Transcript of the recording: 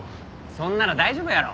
そんなら大丈夫やろ。